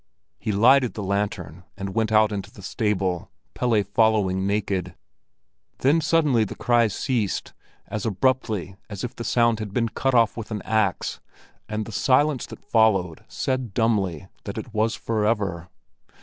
He lighted the lantern and went out into the stable, Pelle following naked. Then suddenly the cries ceased, as abruptly as if the sound had been cut off with an axe, and the silence that followed said dumbly that it was forever.